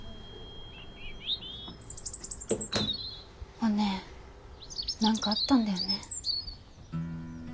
おねぇ何かあったんだよね。